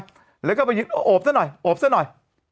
มิดละแล้วก็พยิกโอบซะหน่อยโอบซะหน่อย